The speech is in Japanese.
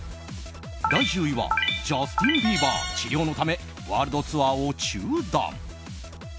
第１０位はジャスティン・ビーバー治療のためワールドツアーを中断。